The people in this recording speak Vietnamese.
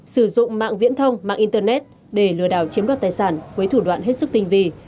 sử dụng mạng viễn thông mạng internet để lừa đảo chiếm đoạt tài sản với thủ đoạn hết sức tinh vị